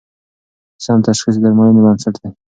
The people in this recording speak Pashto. سم تشخیص د درملنې بنسټ دی.